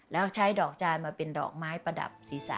แล้วใช้ดอกจานมาเป็นดอกไม้ประดับศีรษะ